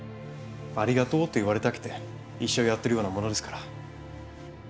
「ありがとう」と言われたくて医者をやっているようなものですから。